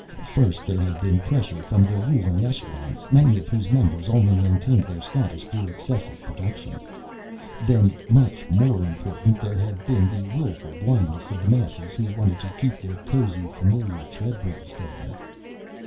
First there had been pressure from the ruling echelons, many of whose members only maintained their status through excessive production. Then, much more important, there had been the willful blindness of the masses who wanted to keep their cozy, familiar treadmills going.